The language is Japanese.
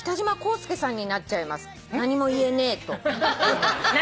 「『何も言えねぇ』と」